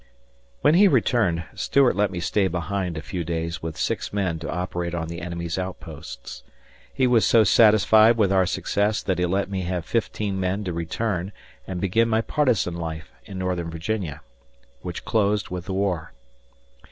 When he returned, Stuart let me stay behind a few days with six men to operate on the enemy's outposts. He was so satisfied with our success that he let me have fifteen men to return and begin my partisan life in northern Virginia which closed with the war.